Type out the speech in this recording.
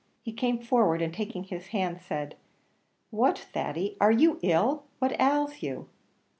He came forward, and taking his hand, said, "What, Thady, are you ill? What ails you?"